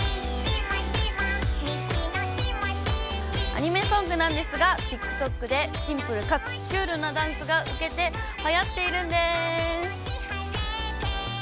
アニメソングなんですが、ＴｉｋＴｏｋでシンプルかつシュールなダンスが受けて、はやっているんです。